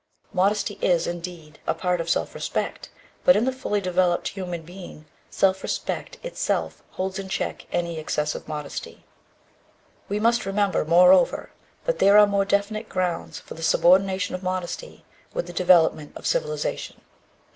Modesty is, indeed, a part of self respect, but in the fully developed human being self respect itself holds in check any excessive modesty. We must remember, moreover, that there are more definite grounds for the subordination of modesty with the development of civilization.